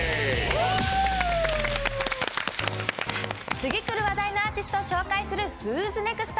次くる話題のアーティストを紹介する「ＷＨＯ’ＳＮＥＸＴ！」。